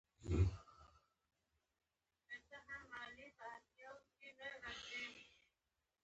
ښځې په خواشينۍ وويل: کوم درک يې ونه لګېد؟